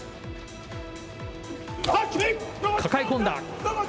抱え込んだ。